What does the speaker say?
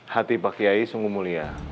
hati pak kiai sungguh mulia